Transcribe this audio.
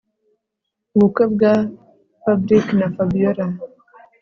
ubukwe bwa Fabric na Fabiora